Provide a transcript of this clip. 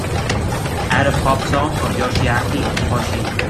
add a Pop song of Yoshiaki Hoshi